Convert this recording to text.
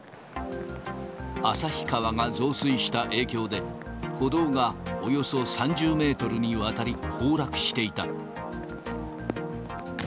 旭川が増水した影響で、歩道がおよそ３０メートルにわたり崩落していた。